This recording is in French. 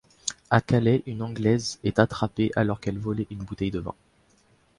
À Calais, une Anglaise est attrapée alors qu'elle volait une bouteille de vin.